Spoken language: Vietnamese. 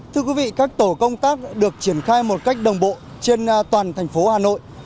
thưa quý vị các tổ công tác được triển khai một cách đồng bộ trên toàn thành phố hà nội